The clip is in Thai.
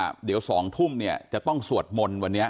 ตำรวจบอกว่าภายในสัปดาห์เนี้ยจะรู้ผลของเครื่องจับเท็จนะคะ